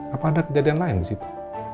apa ada kejadian lain disitu